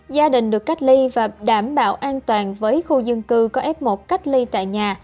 gia đình được cách ly và đảm bảo an toàn với khu dân cư có f một cách ly tại nhà